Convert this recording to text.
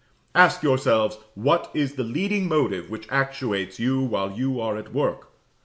Ask yourselves what is the leading motive which actuates you while you are at work.